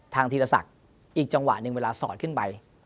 ธีรศักดิ์อีกจังหวะหนึ่งเวลาสอดขึ้นไป